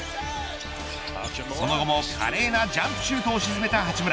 その後も華麗なジャンプシュートを沈めた八村。